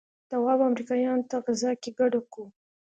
دوا به امريکايانو ته غذا کې ګډه کو.